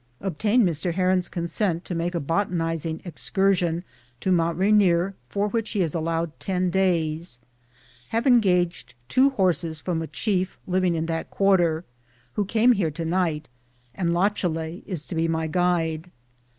Obtained Mr. Herron's consent to making a botanizing excursion to Mt. Rainier, for which he has allowed 10 days. Have engaged two horses from a chief living in that quarter, who came here tonight, and Lachalet is to be my guide.